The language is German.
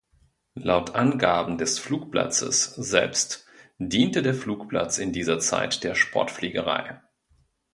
Laut Angaben des Flugplatzes selbst diente der Flugplatz in dieser Zeit der Sportfliegerei.